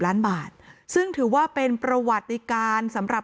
และการแสดงสมบัติของแคนดิเดตนายกนะครับ